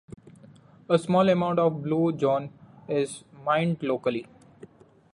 A small amount of Blue John is mined locally.